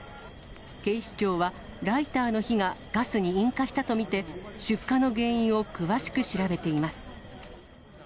警視庁は、ライターの火がガスに引火したと見て、出火の原因を詳しく調べています。